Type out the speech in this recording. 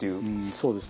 そうですね。